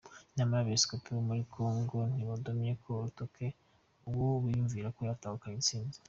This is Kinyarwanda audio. Inama y'abepisikopi bo muri Congo ntibadomyeko urutoke uwo biyumvira ko yatahukanye intsinzi.